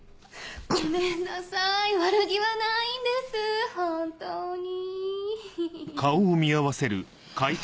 ごめんなさい悪気はないんです本当に。